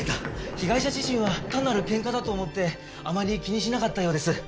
被害者自身は単なるケンカだと思ってあまり気にしなかったようです。